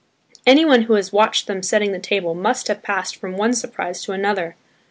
Anyone who has watched them setting the table must have passed from one surprise to another.